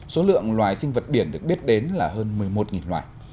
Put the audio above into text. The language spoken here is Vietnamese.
số lượng loài sinh vật biển được biết đến là hơn một mươi một loài